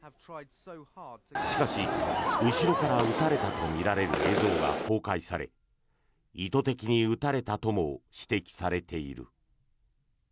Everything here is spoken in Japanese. しかし、後ろから撃たれたとみられる映像が公開され意図的に撃たれたとも指摘されている。